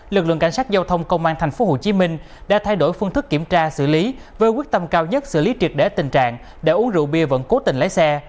lực lượng cảnh sát giao thông công an tp hcm đã thay đổi phương thức kiểm tra xử lý với quyết tâm cao nhất xử lý triệt để tình trạng đã uống rượu bia vẫn cố tình lấy xe